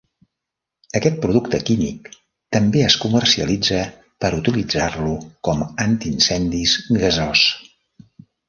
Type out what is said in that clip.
Aquest producte químic també es comercialitza per utilitzar-lo com antiincendis gasós.